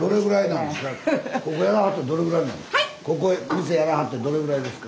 ここやらはってどれぐらいなんですか？